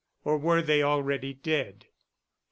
... Or were they already dead? .